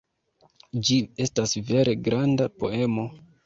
Ĝi estas vere "granda" poemo.